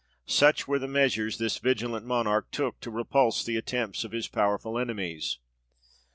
Such were the measures this vigilant Monarch took to repulse the attempts of his powerful enemies.